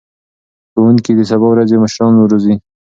ښوونکي د سبا ورځې مشران روزي.